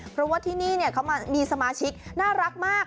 เพราะว่าที่นี่เขามีสมาชิกน่ารักมาก